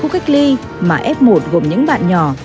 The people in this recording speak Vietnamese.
hay từ khu cách ly mà f một gồm những bạn nhỏ